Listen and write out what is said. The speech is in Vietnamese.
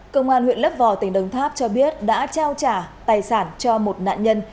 công an huyện lấp vò tỉnh đồng tháp cho biết đã trao trả tài sản cho một nạn nhân